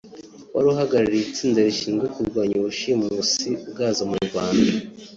wari uhagarariye itsinda rishinzwe kurwanya ubushimusi bwazo mu Rwanda